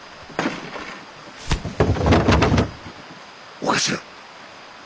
お頭。